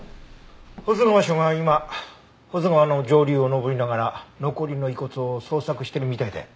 保津川署が今保津川の上流を上りながら残りの遺骨を捜索しているみたいだよ。